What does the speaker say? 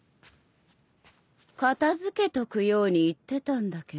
片付けとくように言ってたんだけど。